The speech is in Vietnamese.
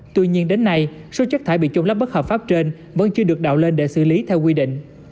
tuy nhiên đến nay số chất thải bị trôn lấp bất hợp pháp trên vẫn chưa được đạo lên để xử lý theo quy định